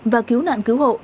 và cứu nạn cứu hộ